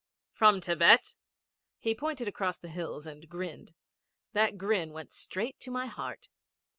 'From Thibet.' He pointed across the hills and grinned. That grin went straight to my heart.